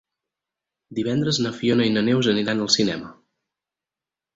Divendres na Fiona i na Neus aniran al cinema.